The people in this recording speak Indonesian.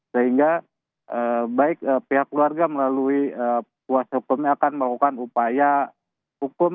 sehingga baik pihak keluarga melalui kuasa hukumnya akan melakukan upaya hukum